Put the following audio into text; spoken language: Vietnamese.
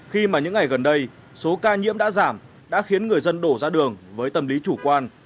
khi mà những ngày gần đây số ca nhiễm đã giảm đã khiến người dân đổ ra đường với tâm lý chủ quan